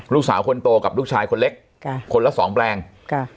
ลูกสาวคนโตกับลูกชายคนเล็กค่ะคนละสองแปลงค่ะ